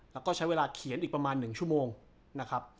แล้วก็ใช้เวลาเขียนอีกประมาณ๑ชั่วโมงนะครับ